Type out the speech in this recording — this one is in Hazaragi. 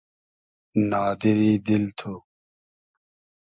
نادیری دیل تو